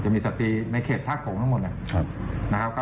จะมีสตีในเขตท่าของทั้งหมดนะครับนะครับ